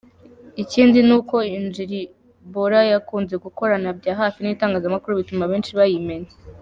Ikindi ni uko Injiri Bora yakunze gukorana bya hafi n'itangazamakuru bituma benshi bayimenya.